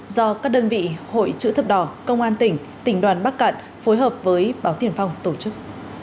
do các đơn vị hội chữ thập đỏ công an tỉnh tỉnh đoàn bắc cạn phối hợp với báo tiền phong tổ chức